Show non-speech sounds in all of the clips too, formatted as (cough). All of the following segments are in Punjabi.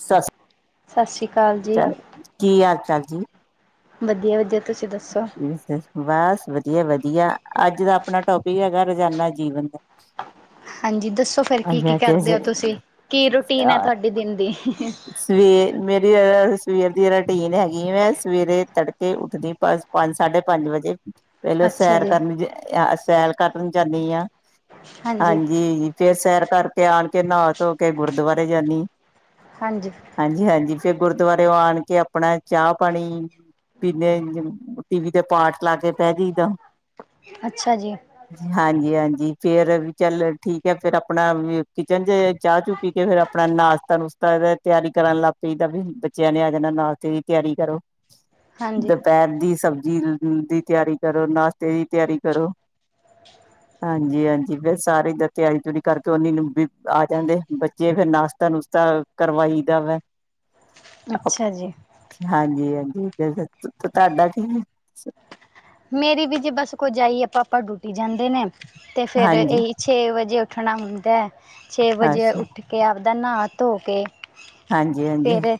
ਸਤਿ ਸਤਿ ਸ਼੍ਰੀ ਸ੍ਰੀ ਜੀ ਅਕਾਲ ਕੀ ਹਾਲ ਚਾਲ ਜੀ? ਵਧੀਆ ਵਧੀਆ, ਤੁਸੀਂ ਦੱਸੋ। ਬਸ ਵਧੀਆ-ਵਧੀਆ ਅੱਜ ਦਾ ਆਪਣਾ ਟੋਪਿਕ ਹੈਗਾ ਰੋਜਾਨਾ ਜੀਵਨ ਦਾ। ਹਾਂਜੀ, ਦੱਸੋ ਫਿਰ ਕੀ-ਕੀ ਕਰਦੇ ਹੋ ਤੁਸੀਂ? ਕੀ ਰੂਟੀਨ ਹੈ ਤੁਹਾਡੀ ਦਿਨ ਦੀ? ਵੀ ਏ ਮੇਰੀ ਅ ਸਵੇਰ ਦੀ ਰੂਟੀਨ ਹੈਗੀ, ਮੈਂ ਸਵੇਰੇ ਤੜਕੇ ਉੱਠਦੀ। ਬਸ, ਪੰਜ-ਸਾਢੇ ਪੰਜ ਵਜੇ ਪਹਿਲੋ ਅੱਛਾ ਸੈਰ ਜੀ ਕਰਨੀ। ਅ, ਸੈਰ ਕਰਨ ਜਾਂਨੀ ਹਾਂ, ਹਾਂਜੀ। ਫੇਰ ਸੈਰ ਕਰਕੇ ਆਣ ਕੇ, ਨਹਾ-ਧੋ ਕੇ, ਗੁਰਦੁਆਰੇ ਜਾਂਨੀ ਆ। ਹਾਂਜੀ ਹਾਂਜੀ ਹਾਂਜੀ, ਫੇਰ ਗੁਰਦੁਆਰੇਓ ਆਣ ਕੇ ਆਪਣਾ ਚਾਹ-ਪਾਣੀ ਪੀਦੇ। ਟੀ ਵੀ ਤੇ ਪਾਠ ਲਾ ਕੇ ਬੈ ਜਈਦਾ। ਅੱਛਾ ਜੀ। ਹਾਂਜੀ ਹਾਂਜੀ, ਫੇਰ ਵੀ ਚੱਲ ਠੀਕ ਹੈ, ਫੇਰ ਆਪਣਾ ਕਿਚਨ ਚ ਚਾਹ-ਚੂ ਪੀ ਕੇ ਫਿਰ ਆਪਣਾ ਨਾਸ਼ਤਾ-ਨੁਸ਼ਤਾ ਤਿਆਰੀ ਕਰਨ ਲੱਗ ਪਈਦਾ ਵੀ ਬੱਚਿਆਂ ਨੇ ਆ ਜਾਣਾ, ਨਾਸ਼ਤੇ ਦੀ ਤਿਆਰੀ ਕਰੋ। ਹਾਂਜੀ ਦੁਪਹਿਰ ਦੀ ਸਬਜ਼ੀ ਦੀ ਤਿਆਰੀ ਕਰੋ, ਨਾਸ਼ਤੇ ਦੀ ਤਿਆਰੀ ਕਰੋ। ਹ ਹਾਂਜੀ ਹਾਂਜੀ, ਫੇਰ ਸਾਰੇ ਦਾ ਤਿਆਰੀ-ਤਿਓਰੀ ਕਰਕੇ ਨੀ ਨੂੰ ਵੀ ਆ ਜਾਂਦੇ, ਬੱਚੇ ਫੇਰ ਨਾਸ਼ਤਾ ਨੁਸ਼ਤਾ ਕਰਵਾਈ ਦਾ ਵਾ। ਅੱਛਾ ਜੀ ਹਾਂਜੀ, ਹਾਂਜੀ ਹਾਂਜੀ ਤੁਹਾਡਾ ਕੀ ਏ? ਮੇਰੀ ਵੀ ਜੀ ਬਸ, ਕੁਝ ਇਹੀ ਹੈ- ਪਾਪਾ ਡਯੂਟੀ ਜਾਂਦੇ ਨੇ ਤੇ ਫੇਰ ਹਾਂਜੀ ਇਹ ਛੇ ਵਜੇ ਉੱਠਣਾ ਹੁੰਦਾ, ਛੇ ਵਜੇ ਅੱਛਾ ਉੱਠ ਕੇ ਆਪਦਾ ਨਾ-ਧੋ ਕੇ ਹਾਂਜੀ, ਹਾਂਜੀ। ਫਿਰ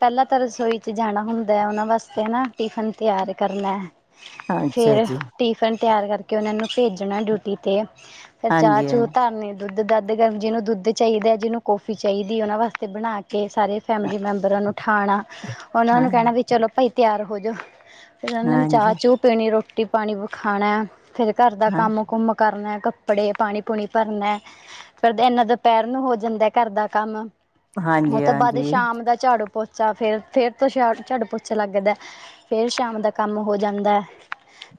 ਪਹਿਲਾਂ ਤਾਂ ਰਸੋਈ 'ਚ ਜਾਣਾ ਹੁੰਦਾ ਹੈ, ਉਹਨਾ ਵਾਸਤੇ ਨਾ ਟਿਫਨ ਤਿਆਰ ਕਰਨਾ। ਅੱਛਾ ਫੇਰ ਜੀ ਟਿਫਨ ਤਿਆਰ ਕਰਕੇ ਉਹਨਾਂ ਨੂੰ ਭੇਜਣਾ ਡਿਊਟੀ ਤੇ, ਫੇਰ ਚਾਹ ਹਾਂਜੀ-ਹਾਂਜੀ ਚੂ ਧਰਨੀ। ਦੁੱਧ-ਦਧ ਗਰ ਜਿਹਨੂੰ ਦੁੱਧ ਚਾਹੀਦਾ ਹੈ, ਜਿਹਨੂੰ ਕੌਫੀ ਚਾਹੀਦੀ ਉਹਨਾਂ ਵਾਸਤੇ ਬਣਾ ਕੇ, ਸਾਰੇ ਫੈਮਿਲੀ ਮੈਂਬਰਾਂ ਨੂੰ ਉਠਾਉਣਾ, ਉਹਨਾਂ ਹਾਂ ਨੂੰ ਕਹਿਣਾ ਵੀ, ਚਲੋ ਭਾਈ, ਤਿਆਰ ਹੋ ਜਾਓ। ਫਿਰ ਉਹਨਾਂ ਨੇ ਹਾਂਜੀ-ਹਾਂਜੀ ਦੁੱਧ ਪੀਣੀ, ਰੋਟੀ-ਪਾਣੀ ਵੀ ਖਾਣਾ, ਫੇਰ ਘਰ ਦਾ ਹਾਂ ਕੰਮ ਕੰਮ ਕਰਨਾ ਕੱਪੜੇ ਪਾਣੀ-ਪੂਣੀ ਭਰਨਾ। ਫਿਰ ਇਨਾ ਦੁਪਹਿਰ ਨੂੰ ਹੋ ਜਾਂਦਾ ਘਰ ਦਾ ਕੰਮ, ਉਹ ਤੋਂ ਬਾਅਦ ਹਾਂਜੀ-ਹਾਂਜੀ, ਸ਼ਾਮ ਦਾ ਝਾੜੂ-ਪੋਚਾ ਫੇਰ, ਫੇਰ ਤੋਂ ਝਾੜੂ-ਪੋਚਾ ਲੱਗਦਾ ਫੇਰ ਸ਼ਾਮ ਦਾ ਕੰਮ ਹੋ ਜਾ ਜਾਂਦਾ।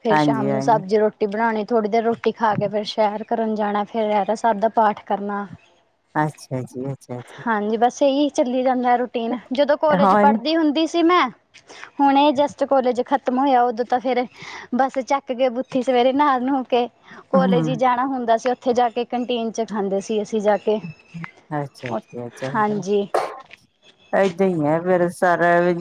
ਫੇਰ ਸ਼ਾਮ ਨੂੰ ਹਾਂਜੀ-ਹਾਂਜੀ, ਸਬਜ਼ੀ-ਰੋਟੀ ਬਣਾਉਣੀ, ਥੋੜ੍ਹੀ ਦੇਰ ਰੋਟੀ ਖਾ ਕੇ ਫੇਰ ਸੈਰ ਕਰਨ ਜਾਣਾ, ਫਿਰ ਰਹਿਰਾਸ ਸਾਹਿਬ ਦਾ ਪਾਠ ਕਰਨਾ। ਅੱਛਾ ਜੀ, ਅੱਛਾ, ਅੱਛਾ ਹਾਂਜੀ, ਬਸ ਇਹੀ ਚੱਲੀ ਜਾਂਦਾ ਰੂਟੀਨ, ਜਦੋਂ ਕੋਲੇਜ ਹੋਰ ਪੜ੍ਹਦੀ ਹੁੰਦੀ ਸੀ ਮੈਂ ਹੁਣਏ ਜਸਟ ਕੋਲਜ ਖ਼ਤਮ ਹੋਇਆ, ਉਹ ਤਾਂ ਫੇਰ ਬੱਸ ਚੱਕ ਕੇ ਬੁਥੀ ਸਵੇਰੇ ਨਹਾ ਨੂੰਹ ਕੇ ਕੋਲੇਜ ਹੀ ਹੂੰ, ਜਾਣਾ ਹੁੰਦਾ ਸੀ, ਉੱਥੇ ਜਾ ਕੇ ਕੰਟੀਨ 'ਚ ਖਾਂਦੇ ਸੀ ਅਸੀਂ ਜਾ ਕੇ। ਅਤੇ ਅੱਛਾ ਉ ਜੀ, ਅੱਛਾ। ਹਾਂਜੀ। ਏਦਾਂ ਹੀ ਆ ਫੇਰ, ਸਾਰਾ ਇਹ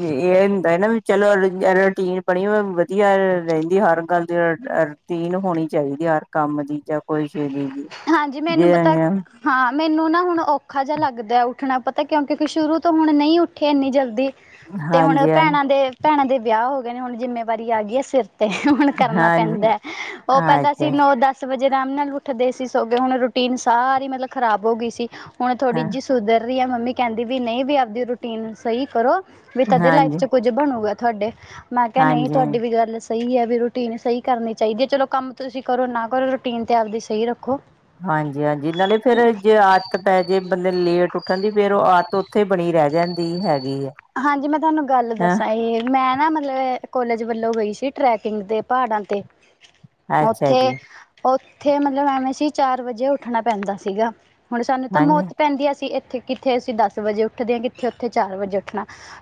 ਹੁੰਦਾ ਨਾ ਵੀ, ਚਲੋ ਰੁਟੀਨ ਬਣੀ ਹੋਈ ਵਧੀਆ ਰਹਿੰਦੀ, ਹਰ ਗੱਲ ਦੀ ਰੂਟੀਨ ਹੋਣੀ ਚਾਹੀਦੀ ਹਰ ਕੰਮ ਦੀ, ਜਾਂ ਕੋਈ ਸ਼ੇ ਦੀ ਜ ਹਾਂਜੀ, ਮੈਨੂੰ ਪਤਾ ਹਾਂ ਮੈਨੂੰ ਨਾ ਹੁਣ ਔਖਾ ਜਿਹਾ ਲੱਗਦਾ ਉੱਠਣਾ, ਪਤਾ ਤਾਂ ਕਿਉਂ ਕਿਉਂਕਿ ਸ਼ੁਰੂ ਤੋਂ ਹੁਣ ਨਹੀਂ ਉੱਠੇ ਇੰਨੀ ਜਲਦੀ ਤੇ ਹੁਣ ਹਾਂਜੀ, ਭੈਣਾਂ ਦੇ ਭੈਣਾਂ ਦੇ ਵਿਆਹ ਹੋ ਗਏ ਨੇ ਹੁਣ ਜਿੰਮੇਵਾਰੀ ਆ ਗਈ ਹੈ ਸਿਰ ਤੇ ਹੁਣ ਕਰਨਾ ਹਾਂਜੀ ਪੈਂਦਾ ਉਹ ਪਹਿਲਾਂ ਸੀ ਅੱਛਾ ਨੌ ਦਸ ਵਜੇ ਅਰਾਮ ਨਾਲ ਉੱਠਦੇ ਸੀ। ਸੌ ਕੇ ਹੁਣ ਰੂਟੀਨ ਸਾਰੀ ਮਤਲਬ ਖਰਾਬ ਹੋ ਗਈ ਸੀ ਹੁਣ ਤੁਹਾਡੀ ਹਾਂ, ਜਿਸ ਸੁਧਰ ਰਹੀ ਹੈ ਮੰਮੀ ਕਹਿੰਦੀ ਵੀ ਨਹੀਂ ਵੀ ਆਪਦੀ ਰੂਟੀਨ ਸਹੀ ਕਰੋ ਵੀ ਤਦੇ ਲਾਈਫ ਹਾਂਜੀ, ਚ ਕੁਝ ਬਣੂਗਾ ਤੁਹਾਡੇ ਮੈਂ ਕਿਹਾ ਨਹੀਂ ਹਾਂਜੀ। ਤੁਹਾਡੀ ਵੀ ਗੱਲ ਸਹੀ ਹੈ ਵੀ ਰੂਟੀਨ ਸਹੀ ਕਰਨੀ ਚਾਹੀਦੀ ਹੈ ਚਲੋ ਕੰਮ ਤੁਸੀਂ ਕਰੋ ਨਾ ਕਰੋ ਰੂਟੀਨ ਤਾਂ ਆਪਦੀ ਸਹੀ ਰੱਖੋ। ਹਾਂਜੀ ਹਾਂਜੀ ਨਾਲੇ ਫੇਰ ਜੇ ਆ ਦਤ ਪੈ ਜੇ ਬੰਦੇ ਲੇਟ ਉੱਠਣ ਦੀ ਫੇਰ ਉਹ ਆਦਤ ਉੱਥੇ ਬਣੀ ਰਹਿ ਜਾਂਦੀ। ਦੀ ਹੈਗੀ ਹਾਂਜੀ ਮੈਂ ਤੁਹਾਨੂੰ ਗੱਲ ਹੈ। ਦੱਸਾਂ ਇਹ ਮੈਂ ਨਾ ਮਤਲਬ ਕੋਲੇਜ ਵੱਲੋਂ ਗਈ ਸੀ ਟਰੈਕਿੰਗ ਤੇ ਪਹਾੜਾਂ ਤੇ ਅੱਛਾ ਉੱਥੇ ਜੀ, ਉੱਥੇ ਮਤਲਬ ਐਵੇਂ ਸੀ ਚਾਰ ਵਜੇ ਉੱਠਣਾ ਪੈਂਦਾ ਸੀਗਾ ਹੁਣ ਸਾਨੂੰ ਤਾਂ ਹਾਂਜੀ, ਮੌਤ ਪੈਂਦੀ ਅਸੀ ਇੱਥੇ ਕਿੱਥੇ ਅਸੀ ਦਸ ਵਜੇ ਉੱਠਦੇ ਹਾਂ ਕਿੱਥੇ ਉੱਥੇ ਚਾਰ ਵਜੇ ਉਠ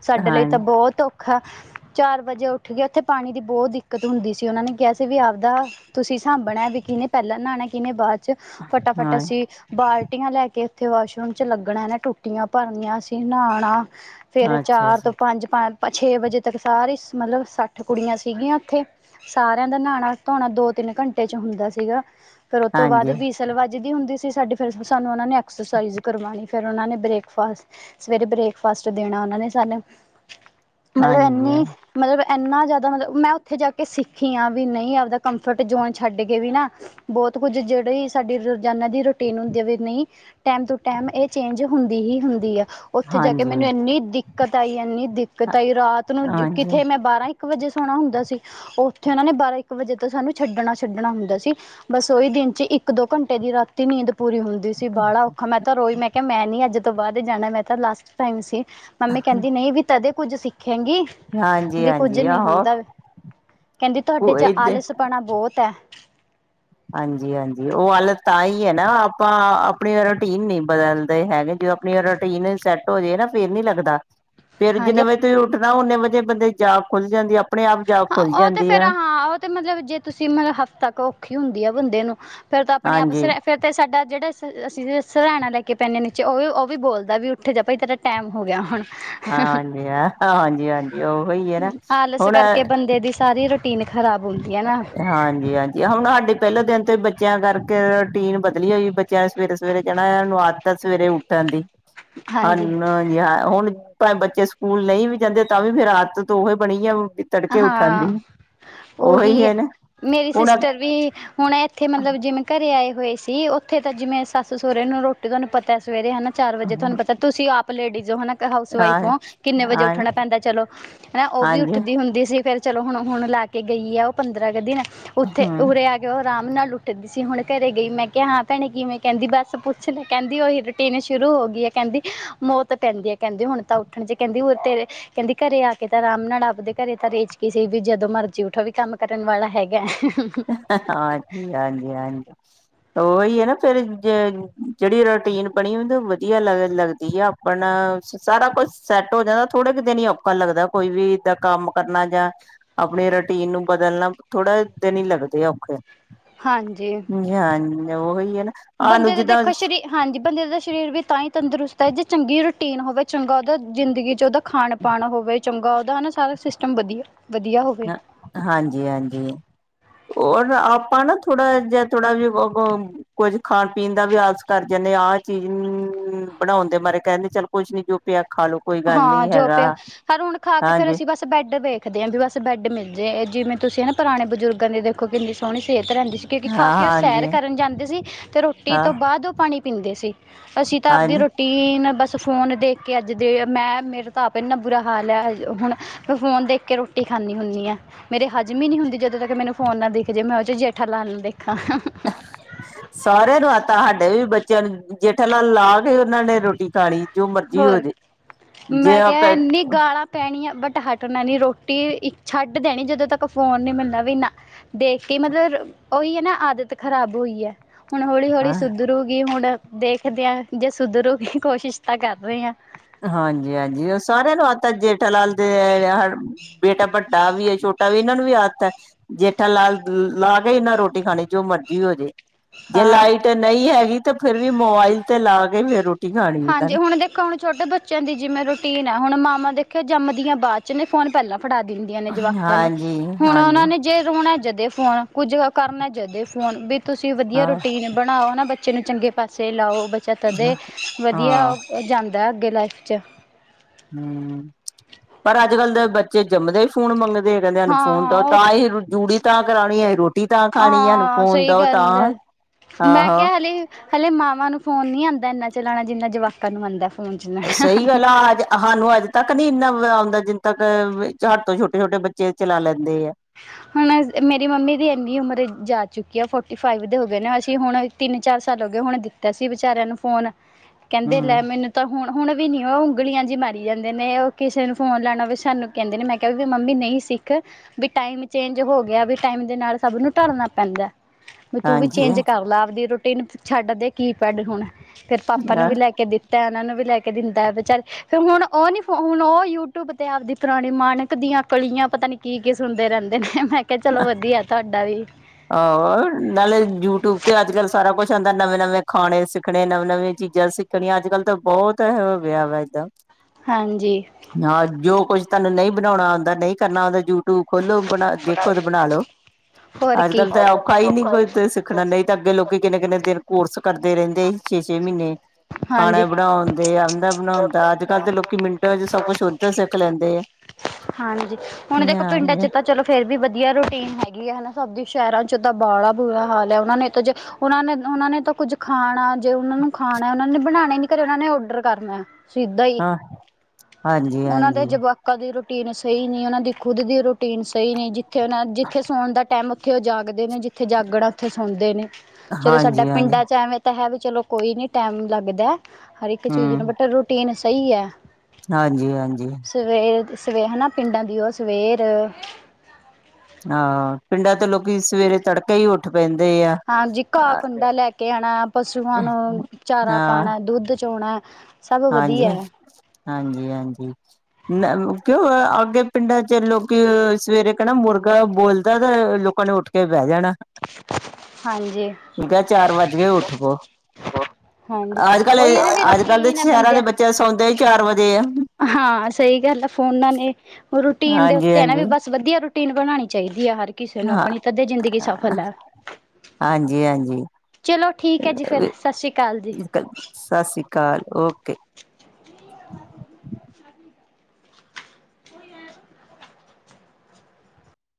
ਸਾਡੇ ਲਈ ਤਾਂ ਹਾਂਜੀ, ਬਹੁਤ ਔਖਾ। ਚਾਰ ਵਜੇ ਉੱਠ ਕੇ ਉੱਥੇ ਪਾਣੀ ਦੀ ਬਹੁਤ ਦਿੱਕਤ ਹੁੰਦੀ ਸੀ ਉਹਨਾਂ ਨੇ ਕਿਹਾ ਸੀ ਵੀ ਆਪਦਾ ਤੁਸੀਂ ਸਾਂਭਣਾ ਵੀ ਕਿਨੇ ਪਹਿਲਾਂ ਨਹਾਉਣਾ ਕਿਹਨੇ ਬਾਅਦ ਚ ਫਟਾਫਟ ਹਾਂ ਅਸੀਂ ਬਾਲ ਟੀਆ ਲੈ ਕੇ ਇੱਥੇ ਵਾਸ਼ਰੂਮ ਚ ਲੱਗਣਾ ਇਹ ਨੇ ਟੂਟੀਆਂ ਭਰਨੀਆਂ ਅਸੀਂ ਨਹਾਉਣਾ ਫੇਰ ਅੱਛਾ ਚਾਰ ਜੀ, ਤੋਂ ਪੰਜ ਪੰ ਛੇ ਵਜੇ ਤੱਕ ਸਾਰੀ ਮਤਲਬ ਸੱਠ ਕੁੜੀਆਂ ਸੀਗੀਆਂ ਉੱਥੇ ਸਾਰਿਆਂ ਦਾ ਨਹਾਉਣਾ ਧੋਣਾ ਦੋ ਤਿੰਨ ਘੰਟੇ ਚ ਹੁੰਦਾ ਸੀਗਾ ਫਰ ਉਹ ਤੋਂ ਬਾਅਦ ਹਾਂਜੀ। ਵੀ ਵਿਸਲ ਵੱਜਦੀ ਹੁੰਦੀ ਸੀ ਸਾਡੀੇ ਫਿਰ ਸਾਨੂੰ ਉਹ ਨੇ ਐਕਸਰਸਾਈਜ਼ ਕਰਵਾਉਣੀ ਫਿਰ ਉਹਨਾਂ ਨੇ ਬ੍ਰੇਕਫਾਸਟ ਸਵੇਰੇ ਬ੍ਰੇਕਫਾਸਟ ਦੇਣਾ ਉਹਨਾਂ ਨੇ ਸਾਨੂੰ ਮਤਲਬ ਹਾਂਜੀ, ਇੰਨੀ ਮਤਲਬ ਇੰਨਾ ਜ਼ਿਆਦਾ ਮਤਲਬ ਮੈਂ ਉੱਥੇ ਜਾ ਕੇ ਸਿੱਖੀ ਆਂ ਵੀ ਨਹੀਂ ਆਵਦਾ ਕੰਫਰਟ ਜ਼ੋਨ ਛੱਡ ਕੇ ਵੀ ਨਾ। ਬਹੁਤ ਕੁੱਝ ਜਿਹੜੇ ਸਾਡੀ ਰੋਜ਼ਾਨਾ ਦੀ ਰੂਟੀਨ ਹੁੰਦੀ ਹੈ ਵੀ ਨਹੀਂ। ਟੈਮ ਟੂ ਟੈਮ ਇਹ ਚੇਂਜ ਹੁੰਦੀ ਹੀ ਹੁੰਦੀ ਹੈ। ਉੱਥੇ ਜਾ ਕੇ ਮੈਨੂੰ ਹਾਂਜੀ, ਇੰਨੀ ਦਿੱਕਤ ਆਈ ਇੰਨੀ ਦਿੱਕਤ ਆਈ ਰਾਤ ਨੂੰ ਹਾਂਜੀ, ਕਿਥੇ ਮੈਂ ਬਾਰਾਂ ਇੱਕ ਵਜੇ ਸੋਹਣਾ ਹੁੰਦਾ ਸੀ ਉੱਥੇ ਉਹਨਾਂ ਨੇ ਬਾਰਾਂ ਇੱਕ ਵਜੇ ਤੇ ਸਾਨੂੰ ਛੱਡਣਾ ਛੱਡਣਾ ਹੁੰਦਾ ਸੀ। ਬਸ ਉਈ ਦਿਨ ਚ ਇੱਕ ਦੋ ਘੰਟੇ ਦੀ ਰਾਤ ਨੀਂਦ ਪੂਰੀ ਹੁੰਦੀ ਸੀ ਬਾੜਾ ਔਖਾ ਮੈਂ ਤਾਂ ਰੋਈ ਮੈਂ ਕਿਹਾ ਮੈਂ ਨੀ ਅੱਜ ਤੋਂ ਬਾਅਦ ਜਾਣਾ ਮੈਂ ਤਾਂ ਲਾਸਟ ਟਾਈਮ ਸੀ ਮੰਮੀ ਕਹਿੰਦੀ ਨਹੀਂ ਵੀ ਤਦੇ ਕੁੱਝ ਸਿੱਖੇਗੀ। ਹਾਂਜੀ, ਵੀ ਕੁੱਝ ਹਾਂਜੀ ਨਹੀਂ ਆਹੋ। ਹੁੰਦਾ ਕਹਿੰਦੀ ਤੁਹਾਡੇ ਉਹ ਚ ਇਦੇ ਆਲਸਪਣਾ ਬਹੁਤ ਹੈ। ਹਾਂਜੀ-ਹਾਂਜੀ ਉਹ ਹਾਲਤ ਤਾਂ ਹੀ ਹੈ ਨਾ ਆਪਾਂ ਆਪਣੀ ਰੂਟੀਨ ਨਹੀਂ ਬਦਲਦੇ ਹੈਗੇ ਜਦੋਂ ਜੇ ਰੂਟੀਨ ਸੈੱਟ ਹੋ ਜਾਏ ਨਾ ਫੇਰ ਨੀ ਲੱਗਦਾ। ਫੇਰ ਜਿੰਨੇ ਹਾਂਜੀ ਵਜੇ ਤੁਸੀਂ ਉੱਠਣਾ ਓਨੇ ਵਜੇ ਬੰਦੇ ਦੀ ਜਾਗ ਖੁੱਲ ਜਾਂਦੀ ਆਪਣੇ ਆਪ ਜਾਗ ਹਾਂ ਖੁੱਲ ਉਹ ਤੇ ਜਾਂਦੀ ਫੇਰ ਆ। ਹਾਂ ਉਹ ਤੇ ਮਤਲਬ ਜੇ ਤੁਸੀਂ ਮਤਲਬ ਹਫ਼ਤਾ ਕ ਔਖੀ ਹੁੰਦੀ ਆ ਬੰਦੇ ਨੂੰ ਫੇਰ ਤਾਂ ਆਪਣੇ ਆਪ ਸ ਹਾਂਜੀ, ਅਤੇ ਸਾਡਾ ਜਿਹੜਾ ਸ ਅਸੀਂ ਸਰਾਣਾ ਲੈ ਕੇ ਪੈਂਦੇ ਨੀਚੇ ਉਹ ਵੀ ਉਹ ਵੀ ਬੋਲਦਾ ਵੀ ਉੱਠੇ ਜਾ ਭਾਈ ਤੇਰਾ ਟਾਈਮ ਹੋ ਗਿਆ ਹੁਣ ਹਾਂ ਹਾਂਜੀ ਹਾਂਜੀ ਹਾਂਜੀ ਉਹੀ ਹੈ ਨਾ ਆਲਸ ਹੁਣ ਕਰਕੇ ਬੰਦੇ ਦੀ ਸਾਰੀ ਰੋਟੀਨ ਖ਼ਰਾਬ ਹੁੰਦੀ ਆ ਨਾ। ਹਾਂਜੀ ਹਾਂਜੀ ਹੁਣ ਸਾਡੇ ਪਹਿਲੇ ਦਿਨ ਤੋਂ ਹੀ ਬੱਚਿਆਂ ਕਰਕੇ ਰੂਟੀਨ ਬਦਲੀ ਹੋਈ ਬੱਚਿਆਂ ਨੇ ਸਵੇਰੇ-ਸਵੇਰੇ ਜਾਣਾ ਉਨ੍ਹਾਂ ਨੂੰ ਆਦਤ ਆ ਸਵੇਰੇ ਉੱਠ ਪੈਂਦੀ ਹਾਂਜੀ ਹਨ ਹਾਂ ਹੁਣ ਭਵੇ ਬੱਚੇ ਸਕੂਲ ਨਹੀਂ ਵੀ ਜਾਂਦੇ ਤਾਂ ਵੀ ਫੇਰ ਆਦਤ ਤਾਂ ਉਹੀ ਬਣੀ ਆ ਤੜਕੇ ਉੱਠਣ ਹਾਂ ਦੀ ਉਹੀ ਹੈ ਨਾ ਮੇਰੀ ਹੁਣ ਹਾਂ ਸਿਸਟਰ ਵੀ ਹੁਣ ਇੱਥੇ ਮਤਲਬ ਜਿਵੇਂ ਘਰੇ ਆਏ ਹੋਏ ਸੀ, ਉੱਥੇ ਤਾਂ ਜਿਵੇਂ ਸੱਸ ਸਹੁਰੇ ਨੂੰ ਰੋਟੀ ਤੁਹਾਨੂੰ ਪਤਾ ਸਵੇਰੇ ਹਨਾ ਚਾਰ ਵਜੇ ਤੁਹਾਨੂੰ ਪਤਾ ਤੁਸੀਂ ਆਪ ਲੇਡੀਜ਼ ਹੋ ਹਨਾ ਕ ਹਾਊਸ ਵਾਈਫ ਹਾਂ ਓ ਕਿੰਨੇ ਵਜੇ ਉਠਣਾ ਪੈਂਦਾ ਚਲੋ ਹੈ ਉਹ ਵੀ ਉੱਠ। ਹਾਂਜੀ ਹੁੰਦੀ ਸੀ ਫੇਰ ਚਲੋ ਹੁਣ ਹੁਣ ਲਾ ਕੇ ਗਈ ਆ ਉਹ ਪੰਦਰਾਂ ਕੁ ਦਿਨ ਉੱਥੇ ਹਮ ਉਰੇ ਆ ਕੇ ਉਹ ਆਰਾਮ ਨਾਲ ਉੱਠਦੀ ਸੀ ਹੁਣ ਘਰੇ ਗਈ ਮੈਂ ਕਿਹਾ ਹਾਂ ਭੈਣੇ ਕਿਵੇਂ ਕਹਿੰਦੀ ਬਸ ਪੁੱਛ ਲ ਕਹਿੰਦੀ ਉਹੀ ਰੂਟੀਨ ਸ਼ੁਰੂ ਹੋ ਗਈ ਹੈ ਕਹਿੰਦੀ ਮੌਤ ਪੈਂਦੀ ਹੈ ਕਹਿੰਦੀ ਹੁਣ ਤਾਂ ਉੱਠਣ ਚ ਕਹਿੰਦੀ ਤੇਰੇ ਕਹਿੰਦੀ ਘਰੇ ਆ ਕੇ ਤੇ ਆਰਾਮ ਨਾਲ ਆਪਦੇ ਘਰੇ ਤਾਂ ਰੇਚ ਸੀ ਕਿਸੇ ਵੀ ਜਦੋਂ ਮਰਜੀ ਉੱਠੋ ਵੀ ਕੰਮ ਕਰਨ ਵਾਲਾ ਹੈਗਾ। ਹਾਂ ਹਾਂਜੀ ਹਾਂਜੀ ਉਹੀ ਹੈ ਨਾ ਫੇਰ ਜ ਜਿਹੜੀ ਰੋਟੀਨ ਬਣੀ ਹੁੰਦੀ ਵਧੀਆ ਲ ਲੱਗਦੀ ਆ। ਆਪਣ ਸਾਰਾ ਕੁਛ ਸੈੱਟ ਹੋ ਜਾਂਦਾ ਥੋੜੇ ਕੁ ਦਿਨ ਹੀ ਔਖਾ ਲੱਗਦਾ ਕੋਈ ਵੀ ਇਦਾਂ ਕੰਮ ਕਰਨਾ ਜਾਂ ਆਪਣੀ ਰੂਟੀਨ ਨੂੰ ਬਦਲਣਾ ਥੋੜ੍ਹਾ ਦਿਨ ਹੀ ਲੱਗਦੇ ਆ ਔਖੇ ਹਾਂਜੀ ਨੀ ਹਾਂਜੀ ਉਹੀ ਹੈ ਨਾ ਬੰਦੇ ਆਨੂੰ ਦਾ ਜਿੱਦਾਂ ਦੇਖੋ ਸਰੀਰ ਹਾਂਜੀ ਬੰਦੇ ਦਾ ਸਰੀਰ ਵੀ ਤਾਂ ਹੀ ਤੰਦਰੁਸਤ ਹੈ ਜੇ ਚੰਗੀ ਰੂਟੀਨ ਹੋਵੇ ਚੰਗਾ ਉਹਦਾ ਜ਼ਿੰਦਗੀ 'ਚ ਉਹਦਾ ਖਾਣ ਪਾਣਾ ਹੋਵੇ ਚੰਗਾ ਉਹਦਾ ਹਨ ਨਾ ਸਾਰਾ ਸਿਸਟਮ ਵਧੀਆ ਵਧੀਆ ਹੋਵੇ। ਹਾਂਜੀ ਹਾਂਜੀ ਹੋਰ ਆਪਾਂ ਨਾ ਥੋੜਾ ਜਿਹਾ ਥੋੜਾ ਵ ਵ ਕੁੱਝ ਖਾਣ ਪੀਣ ਦਾ ਵੀ ਆਲਸ ਕਰ ਜਾਂਦੇ ਆਹ ਚੀਜ਼ ਬਣਾਉਂਦੇ ਮਾਰੇ ਕਹਿੰਦੇ ਚੱਲ ਕੁੱਝ ਨੀ ਜੋ ਪਿਆ ਖਾ ਲੋ ਕੋਈ ਗੱਲ ਹਾਂ ਨੀ ਜੋ ਹੈਗਾ ਪਿਆ ਹਰ ਹੁਣ ਖਾ ਕੇ ਫੇਰ ਹਾਂਜੀ ਅਸੀਂ ਬਸ ਬੈੱਡ ਵੇਖਦੇ ਹਾਂ ਵੀ ਬਸ ਬੈੱਡ ਮਿਲਦੇ ਜਿਵੇਂ ਤੁਸੀਂ ਨਾ ਪੁਰਾਣੇ ਬਜ਼ੁਰਗਾਂ ਦੇਖੋ ਕਿੰਨੀ ਸੋਹਣੀ ਸਿਹਤ ਰਹਿੰਦੀ ਸੀ ਕਿਉਂਕਿ ਖਾ ਹਾਂ ਕੇ ਉਹ ਹਾਂਜੀ ਸੈਰ ਕਰਨ ਜਾਂਦੇ ਸੀ ਅਤੇ ਰੋਟੀ ਹਾਂ ਤੋਂ ਬਾਅਦ ਉਹ ਪਾਣੀ ਪੀਂਦੇ ਸੀ। ਅਸੀਂ ਤਾਂ ਆਪਦੀ ਹਾਂਜੀ ਰੂਟੀਨ ਬਸ ਫੋਨ ਦੇਖ ਕੇ ਅੱਜ ਦੇ ਮੈਂ ਮੇਰੇ ਤਾਂ ਆਪ ਇੰਨਾ ਬੁਰਾ ਹਾਲ ਹੈ ਹੁਣ ਮੈਂ ਫੋਨ ਦੇਖ ਕੇ ਰੋਟੀ ਖਾਂਦੀ ਹੁੰਦੀ ਆ। ਮੇਰੇ ਹਜ ਈ ਨੀ ਹੁੰਦੀ ਜਦੋਂ ਤੱਕ ਮੈਨੂੰ ਫੋਨ ਨਾਲ ਦਿਖ ਜੇ ਮੈਂ ਉਹ ਚ ਜੇਠਾ ਲਾਲ ਦੇਖਾਂ ਸਾਰਿਆਂ ਨੂੰ ਆਦਤ ਆ ਸਾਡੇ ਵੀ ਬੱਚਿਆਂ ਨੂੰ ਜੇਠ ਲਾਲ ਲਾ ਕੇ ਉਹਨਾਂ ਨੇ ਰੋਟੀ ਖਾਣੀ। ਜੋ ਮਰਜ਼ੀ ਹੋ ਹੋਰ ਜਾੇ ਜੇ ਆਪ ਪੈਣੀ ਆ ਬਟ ਹੱਟ ਉਹਨਾਂ ਦੀ ਰੋਟੀ ਇੱਕ ਛੱਡ ਦੇਣੀ ਜਦੋਂ ਤੱਕ ਫੋਨ ਨਹੀਂ ਮਿਲਣਾ ਵੀ ਇੰਨਾ ਦੇਖ ਕੇ ਮਤਲਬ ਉਹਈ ਹੈ ਨਾ ਆਦਤ ਖਰਾਬ ਹੋਈ ਹੈ ਹੁਣ ਹੌਲੀ ਹੌਲੀ ਸੁਧਰੂਗੀ ਹੁਣ ਦੇਖਦੇ ਹਾਂ ਜੇ ਸੁਧਰੂਗੀ ਕੋਸ਼ਿਸ਼ ਤਾਂ ਕਰਦੇ ਹਾਂ ਹਾਂਜੀ ਹਾਂਜੀ ਉਹ ਸਾਰਿਆਂ ਨੂੰ ਆਤਾ ਜੇ (unintelligible) ਬੇਟਾ ਵੱਡਾ ਵੀ ਹੈ ਛੋਟਾ ਵੀ ਇਹਨਾਂ ਨੂੰ ਵੀ ਆਦਤ ਹੈ ਜੇਠਾ ਲਾਲ ਲਾ ਕੇ ਇਹਨਾਂ ਰੋਟੀ ਖਾਣੀ ਜੋ ਮਰਜ਼ੀ ਹੋ ਜੇ ਜੇ ਹਾਂ ਲਾਈਟ ਨਹੀਂ ਹੈਗੀ ਤਾਂ ਫੇਰ ਵੀ ਮੋਬਾਈਲ ਤੇ ਲਾ ਕੇ ਫਿਰ ਖਾਣੀ ਇਹਨਾਂ ਹਾਂਜੀ ਨੇ ਹੁਣ ਦੇ ਹੁਣ ਛੋਟੇ ਬੱਚਿਆਂ ਦੀ ਜਿਵੇਂ ਰੂਟੀਨ ਹੈ ਹੁਣ ਮਾਮਾ ਦੇਖਿਆ ਜੰਮਦੀਆਂ ਬਾਦ ਚ ਨੇ ਫੋਨ ਪਹਿਲਾਂ ਫੜਾ ਦਿੰਦੀਆਂ ਨੇ ਜਵਾਕਾਂ ਨੂੰ ਹਾਂਜੀ ਹੁਣ ਉਹਨਾਂ ਹਾਂਜੀ ਨੇ ਜੇ ਰੋਣਾ ਜਦੇ ਫੋਨ ਕੁਝ ਕਰਨਾ ਜਦੇ ਫੋਨ ਵੀ ਤੁਸੀਂ ਵਧੀਆ ਹਾਂ ਰੂਟੀਨ ਬਣਾਓ ਨਾ ਬੱਚੇ ਨੂੰ ਚੰਗੇ ਪਾਸੇ ਲਾਓ ਬੱਚਾ ਤਦੇ ਹਾਂ ਵਧੀਆ ਹਾਂ ਉਹ ਜਾਂਦਾ ਅੱਗੇ ਲਾਈਫ 'ਚ ਹੂੰ ਪਰ ਅੱਜ ਕੱਲ੍ਹ ਦੇ ਬੱਚੇ ਜੰਮਦੇ ਹੀ ਫੋਨ ਮੰਗਦੇ ਆ ਕਹਿੰਦੇ ਸਾਨੂੰ ਫੋਨ ਹਾਂ ਤਾਂ ਉਹ ਤਾਂ ਅਸੀ ਜੂੜੀ ਤਾਂ ਕਰਾਉਣੀ ਅਸੀ ਰੋਟੀ ਤਾਂ ਖਾਣੀ ਐਂ ਹਾਂ ਹੁੰ ਸਹੀ ਦ ਤਾਂ ਗੱਲ ਹੈ ਆਹ ਮੈਂ ਹਾਂ ਕਿਹਾ ਹਲੇ ਹਲੇ ਮਾਵਾਂ ਨੂੰ ਫੋਨ ਨੀ ਆਉਂਦਾ ਇਨਾ ਚਲਾਉਣਾ ਜਿੰਨਾ ਜਵਾਕ ਨੂੰ ਆਉਂਦਾ ਫੋਨ ਸਹੀ ਚੈ ਗੱਲ ਆ ਅੱਜ ਸਾਨੂੰ ਅੱਜ ਤੱਕ ਨੀ ਇੰਨਾ ਆਉਂਦਾ ਜਿੰਨ ਕ ਸਾਥੋਂ ਛੋਟੇ ਛੋਟੇ ਬੱਚੇ ਚਲਾ ਲੈਂਦੇ ਆ ਹੁਣ ਮੇਰੀ ਮੰਮੀ ਦੀ ਇੰਨੀ ਉਮਰ ਜਾ ਚੁੱਕੀ ਆ ਫੋਟੀ ਫਾਈਵ ਦੇ ਹੋ ਗਏ ਨੇ ਅਸੀਂ ਹੁਣ ਤਿੰਨ ਚਾਰ ਸਾਲ ਹੋ ਗਏ ਹੁਣ ਦਿੱਤਾ ਸੀ ਵਿਚਾਰਿਆਂ ਨੂੰ ਫੋਨ ਕਹਿੰਦੇ ਹਮ ਲੈ ਮੈਨੂੰ ਤਾਂ ਹੁਣ ਹੁਣ ਵੀ ਨੀ ਉਹ ਉਂਗਲੀਆਂ ਜਿ ਮਾਰੀ ਜਾਂਦੇ ਨੇ ਉਹ ਕਿਸੇ ਨੂੰ ਫੋਨ ਲੈਣਾ ਵੀ ਸਾਨੂੰ ਕਹਿੰਦੇ ਨੇ ਮੈਂ ਵੀ ਮੰਮੀ ਨਹੀਂ ਸਿੱਖ ਵੀ ਟਾਈਮ ਚੇਂਜ ਹੋ ਗਿਆ ਵੀ ਟਾਈਮ ਦੇ ਨਾਲ ਸਭ ਨੂੰ ਢਲ਼ਨਾ ਪੈਂਦਾ ਵੀ ਤੂੰ ਵੀ ਹਾਂਜੀ ਚੇਂਜ ਕਰ ਲ ਆਪਦੀ ਰੋ ਟੀ ਨੂੰ ਛੱਡ ਦੇ ਕੀਪੈਡ ਹੁਣ ਫਿਰ ਪਾਪਾ ਨੂੰ ਵੀ ਲੈ ਕੇ ਦਿੱਤਾ ਉਹਨਾਂ ਨੂੰ ਵੀ ਲੈ ਕੇ ਦਿੰਦਾ ਵਿਚਾਰੇ ਫਿਰ ਹੁਣ ਉਹ ਨੀ ਹੁਣ ਉਹ ਯੂਟਿਊਬ ਤੇ ਆਪਦੀ ਪੁਰਾਣੀ ਮਾਨਕ ਦੀਆਂ ਕਲੀਆਂ ਪਤਾ ਨੀ ਕੀ ਕੀ ਸੁਣਦੇ ਰਹਿੰਦੇ ਮੈਂ ਕਿਹਾ ਚਲੋ ਵਧੀਆ ਤੁਹਾਡਾ ਵੀ ਆਹੋ ਨਾਲੇ ਯੂਟਿਊਬ ਤੇ ਅੱਜ ਕੱਲ੍ਹ ਸਾਰਾ ਕੁਛ ਆਉਂਦਾ ਨਵੇਂ ਨਵੇਂ ਖਾਣੇ ਸਿੱਖਣੇ ਨਵੀਂ ਨਵੀਂ ਚੀਜ਼ਾਂ ਸਖ ਣੀ ਅੱਜ ਕੱਲ੍ਹ ਤਾਂ ਬਹੁਤ ਇਹ ਵਿਆ ਵਾ ਏਦਾਂ ਹਾਂਜੀ। ਹਾਂ ਜੋ ਕੁੱਝ ਤੁਹਾਨੂੰ ਨਹੀਂ ਬਣਾਉਣਾ ਆਉਂਦਾ, ਨਹੀਂ ਕਰਨਾ ਆਉਂਦਾ, ਯੂਟਿਊਬ ਖੋਲੋ ਬਣਾ ਦੇਖੋ ਤੇ ਬਣਾ ਲੋਓ। ਹੋਰ ਅੱਜ ਕੀ ਕੱਲ ਤਾਂ ਔਖਾ ਹੀ ਨੀ ਕੋਈ ਸਿੱਖਣਾ ਨਹੀਂ ਤਾਂ ਅੱਗੇ ਲੋਕੀ ਕਿੰਨੇ ਕਿੰਨੇ ਦਿਨ ਕੋਰਸ ਕਰਦੇ ਰਹਿੰਦੇ ਸੀ, ਛੇ ਛੇ ਮਹੀਨੇ ਖਾਣਾ ਹਾਂਜੀ ਬਣਾਉਣ ਦੇ ਆਉਂਦਾ ਬਣਾਉਣ ਤਾਂ ਅੱਜ ਕੱਲ੍ਹ ਦੇ ਲੋਕੀ ਮਿੰਟਾਂ ਵਿੱਚ ਸਭ ਕੁੱਛ ਉੱਧਰ ਸਿੱਖ ਲੈਂਦੇ ਐ। ਹਾਂਜੀ ਹੁਣ ਦੇਖੋ ਪਿੰਡਾਂ ਚ ਤਾਂ ਚਲੋ ਫਿਰ ਵੀ ਵਧੀਆ ਰੂਟੀਨ ਹੈਗੀ ਹੈ ਹੈ ਨਾ ਸਭ ਦੀ ਸ਼ਹਿਰਾਂ 'ਚ ਤਾਂ ਬਾਲਾ ਬੁਰਾ ਹਾਲ ਹੈ ਉਹਨਾਂ ਨੇ ਤਾਂ ਜੇ ਉਹਨਾਂ ਨੇ ਉਹਨਾਂ ਨੇ ਤਾਂ ਕੁੱਝ ਖਾਣਾ, ਜੇ ਉਹਨਾਂ ਨੂੰ ਖਾਣਾ ਉਹਨਾਂ ਨੇ ਬਣਾਣਾ ਨੀ ਘਰੇ ਉਹਨਾਂ ਨੇ ਔਡਰ ਕਰਨਾ ਸਿੱਧਾ ਈ ਹਾਂ ਹਾਂਜੀ ਉਹਨਾਂ ਦੇ ਹਾਂਜੀ ਜਵਾ ਕਦੀ ਰੂਟੀਨ ਸਹੀ ਨੀ ਉਹਨਾਂ ਦੀ, ਖੁਦ ਦੀ ਰੂਟੀਨ ਸਹੀ ਨੀ, ਜਿੱਥੇ ਉਹਨਾਂ ਜਿੱਥੇ ਸੌਣ ਦਾ ਟਾਈਮ ਜੱਥੇ ਉਹ ਜਾਗਦੇ ਨੇ ਜਿੱਥੇ ਜਾਗਣਾ ਉੱਥੇ ਸੁਣਦੇ ਨੇ ਜਦੋ ਸਾਡਾ ਹਾਂਜੀ ਹਾਂਜੀ ਪਿੰਡਾਂ ਚ ਐਵੇਂ ਤਾਂ ਹੈ ਵੀ ਚਲੋ ਕੋਈ ਨੀ ਟਾਈਮ ਲੱਗਦਾ ਹਰ ਇੱਕ ਚੀਜ਼ ਹਮ ਨੂੰ ਬਟ ਰੂਟੀਨ ਸਹੀ ਹੈ‌‌। ਹਾਂਜੀ ਹਾਂਜੀ। ਸਵੇਰ ਸਵੇ ਹੈ ਨਾ ਪਿੰਡਾਂ ਦੀ ਉਹ ਸਵੇਰ ਹਾਂ ਪਿੰਡਾਂ ਤੋਂ ਲੋਕੀ ਸਵੇਰੇ ਤੜਕੇ ਹੀ ਉੱਠ ਪੈਂਦੇ ਆ। ਹਾਂ ਜੀ ਘਾਹ ਕੁੰਡਾ ਲੈ ਕੇ ਆਉਣਾ‍, ਪਸੂਆਂ ਨੂੰ ਚਾਰਾ ਹਾਂ ਪਾਉਣਾ, ਦੁੱਧ ਚੋਣਾ ਸਭ ਹਾਂਜੀ, ਵਧੀਆ ਹੈ ਹਾਂਜੀ, ਹਾਂਜੀ। ਕਿਉਂ ਅੱਗੇ ਪਿੰਡਾਂ ਚ ਲੋਕੀ ਸਵੇਰੇ ਕਹਿਣਾ ਮੁਰਗਾ ਬੋਲਦਾ ਤੇ ਲੋਕੀ ਲੋਕਾਂ ਨੂੰ ਉੱਠ ਕੇ ਬਹਿ ਜਾਣਾ ਐ। ਹਾਂਜੀ। ਚਾਰ ਵੱਜ ਗ ਉੱਠ ਪੋ। ਹਾਂਜੀ ਅੱਜ-ਕੱਲ, ਉਹੀ ਹੈ ਨਾ ਵੀ ਅੱਜ-ਕੱਲ ਦੇ ਰੂਟੀਨ ਹੈ ਸ਼ਹਿਰਾਂ ਦੇ ਬੰਦਿਆਂ ਬੱਚੇ ਸੌਂਦੇ ਹੀ ਚਾਰ ਵਜੇ ਐ। ਹਾਂ, ਸਹੀ ਗੱਲ ਆ ਫੋਨਾਂ ਨੇ ਰੂਟੀਨ ਦੇ ਹਾਂਜੀ ਉੱਤੇ ਹੈ ਨਾ ਹਾਂਜੀ ਵੀ ਬਸ ਬਸ ਵਧੀਆ ਰੂਟੀਨ ਬਣਾਉਣੀ ਚਾਹੀਦੀ ਹੈ ਹਰ ਕਿਸੇ ਨੂੰ ਹਾਂ ਆਪਣੀ ਤਧ ਏ ਜ਼ਿੰਦਗੀ ਸਫਲ ਹੈ। ਹਾਂਜੀ, ਹਾਂਜੀ। ਚਲੋ ਠੀਕ ਹੈ ਜੀ ਫਿਰ, ਸਤਿ ਸ਼੍ਰੀ ਅਕਾਲ ਜੀ। ਸਤਿ ਸ਼੍ਰੀ ਅਕਾਲ, ਓਕੇ।